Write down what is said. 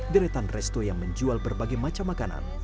deretan resto yang menjual berbagai macam makanan